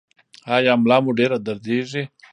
ایا ملا مو ډیره دردیږي؟